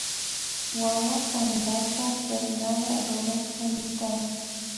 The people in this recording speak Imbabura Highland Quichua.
Wawa tantaka Fernada rurashkami kan